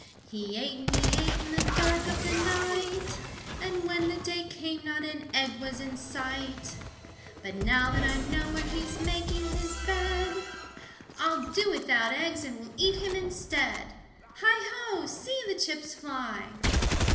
He ate and he ate in the dark of the night, And when the day came not an egg was in sight, But now that I know where he's making his bed, I'll do without eggs and will eat him instead! Hi, ho, see the chips fly!"